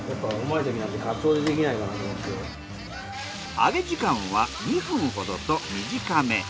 揚げ時間は２分ほどと短め。